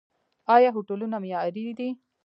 آیا هوټلونه معیاري دي؟